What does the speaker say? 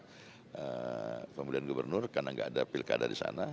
jadi yang enam belas ini harus menunggu pemilihan gubernur karena gak ada pilkada di sana